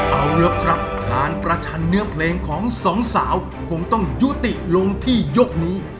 เอาละครับการประชันเนื้อเพลงของสองสาวคงต้องยุติลงที่ยกนี้